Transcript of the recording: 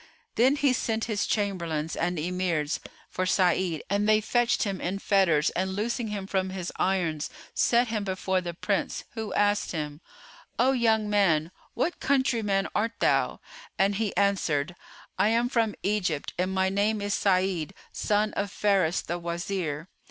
Then he sent his Chamberlains and Emirs for Sa'id and they fetched him in fetters, and loosing him from his irons set him before the Prince, who asked him, "O young man, what countryman art thou?"; and he answered, "I am from Egypt and my name is Sa'id, son of Faris the Wazir."